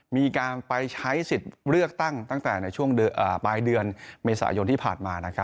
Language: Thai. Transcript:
มีการไปใช้สิทธิ์เลือกตั้งตั้งแต่ในช่วงปลายเดือนเมษายนที่ผ่านมา